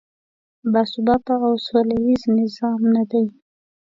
باثباته او سولیز نظام نه دی.